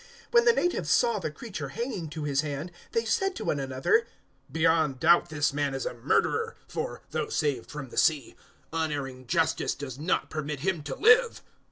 028:004 When the natives saw the creature hanging to his hand, they said to one another, "Beyond doubt this man is a murderer, for, though saved from the sea, unerring Justice does not permit him to live."